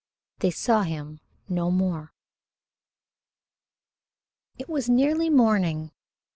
They saw him no more. It was nearly morning.